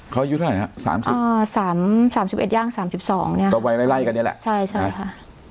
เขาอายุเท่าไหร่ฮะสามสิบอ่าสามสามสิบเอ็ดย่างสามสิบสองเนี้ยก็วัยไล่ไล่กันนี่แหละใช่ใช่ค่ะ